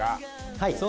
はい。